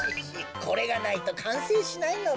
これがないとかんせいしないのだ。